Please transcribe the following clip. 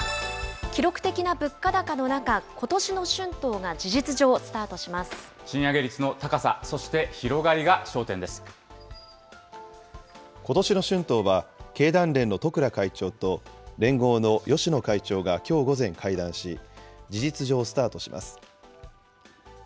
記録的な物価高の中、ことしの春闘が事実上ス賃上げ率の高さ、そして広がことしの春闘は、経団連の十倉会長と連合の芳野会長がきょう午前会談し、事実上スタートします。